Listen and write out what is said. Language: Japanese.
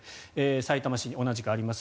さいたま市に同じくあります